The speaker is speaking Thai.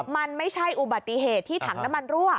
มันไม่ใช่อุบัติเหตุที่ถังน้ำมันรั่ว